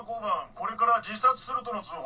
これから自殺するとの通報。